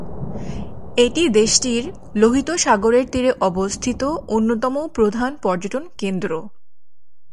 এটি দেশটির লোহিত সাগরের তীরে অবস্থিত অন্যতম প্রধান পর্যটন কেন্দ্র।